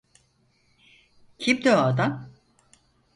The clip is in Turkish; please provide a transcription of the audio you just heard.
Kimdi o adam?